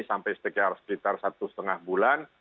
sampai sekitar satu setengah bulan